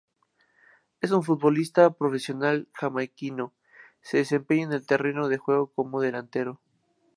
Es un futbolista profesional jamaiquino, Se desempeña en el terreno de juego como Delantero.